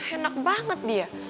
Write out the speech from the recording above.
enak banget dia